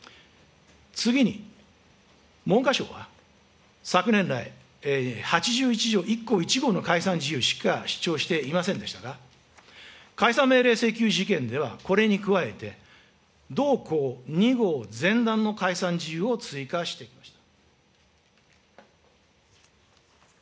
次に、文科省は昨年来、８１条１項１号の解散事由しか主張していませんでしたが、解散命令請求事件では、これに加えて、同項２号前段の解散事由を追加していました。